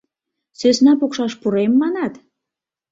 Сӧсна пукшаш пурем, манат?